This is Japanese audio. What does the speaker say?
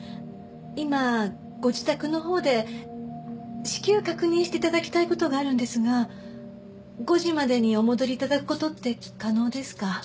今ご自宅のほうで至急確認して頂きたい事があるんですが５時までにお戻り頂く事って可能ですか？